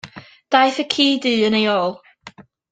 Daeth y ci du yn ei ôl.